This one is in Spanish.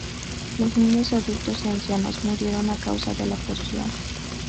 Los niños, adultos y ancianos murieron a causa de la poción.